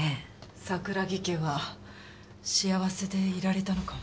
桜木家は幸せでいられたのかも。